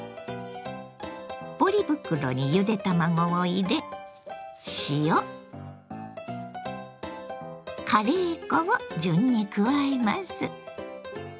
ポリ袋にゆで卵を入れ塩カレー粉を順に加えます。